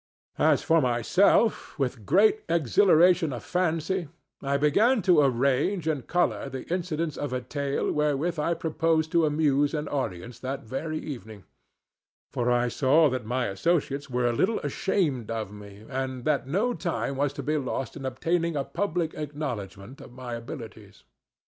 As for myself, with great exhilaration of fancy, I began to arrange and color the incidents of a tale wherewith I proposed to amuse an audience that very evening; for I saw that my associates were a little ashamed of me, and that no time was to be lost in obtaining a public acknowledgment of my abilities.